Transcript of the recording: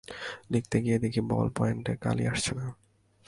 লিখতে গিয়ে দেখি বলপয়েন্টে কালি আসছে না।